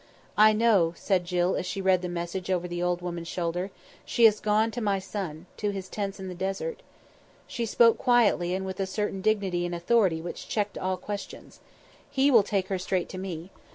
"I know," said Jill as she read the message over the old woman's shoulder. "She has gone to my son. To his tents in the desert." She spoke quietly and with a certain dignity and authority which checked all questions. "He will take her straight to me.